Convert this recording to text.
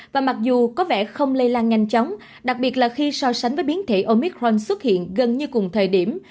và mặc dù có vẻ không lây lan nhanh chóng đặc biệt là khi so sánh với biến thể omic ron xuất hiện gần như cùng thời điểm